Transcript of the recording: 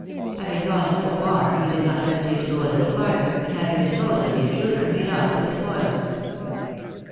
Having gone so far he did not hesitate to go a little farther, and, having disposed of the intruder, made off with his spoils.